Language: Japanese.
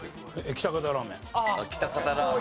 喜多方ラーメンね。